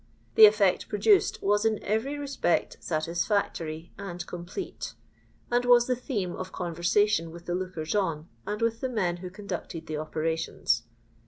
The effect produced was in every respect satisfactory and complete ; and was the theme of conversation with the lookers on, and with the men who conducted the operations.